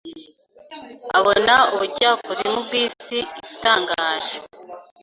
abona ubujyakuzimu bwisi itangaje